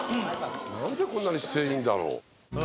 なんでこんなに姿勢いいんだろう？